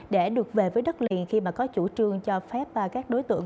để được về với đất liền khi mà có chủ trương cho phép các đối tượng